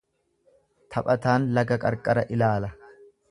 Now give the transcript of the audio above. Taphataan laga qarqara ilaala.